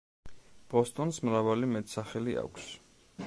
ბოსტონს მრავალი მეტსახელი აქვს.